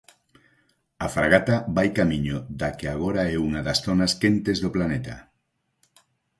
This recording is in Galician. A fragata vai camiño da que agora é unha das zonas quentes do planeta.